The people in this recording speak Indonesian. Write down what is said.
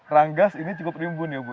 ranggas ini cukup rimbun ya bu